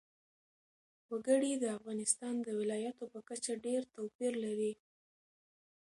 وګړي د افغانستان د ولایاتو په کچه ډېر توپیر لري.